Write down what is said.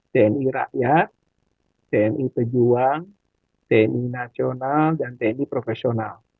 tni rakyat tni pejuang tni nasional dan tni profesional